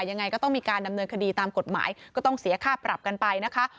ยังไงก็ต้องมีการดำเนินคดีตามกฎหมายก็ต้องเสียค่าปรับกันไปนะคะ